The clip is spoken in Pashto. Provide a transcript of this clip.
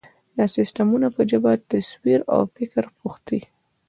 دا سیسټمونه په ژبه، تصویر، او فکر پوهېږي.